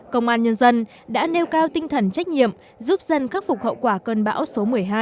công an nhân dân đã nêu cao tinh thần trách nhiệm giúp dân khắc phục hậu quả cơn bão số một mươi hai